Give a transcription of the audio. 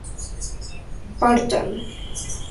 partan